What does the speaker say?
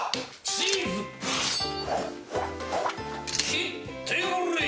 チーズ切ってくれ。